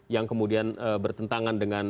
yang kemudian bertentangan dengan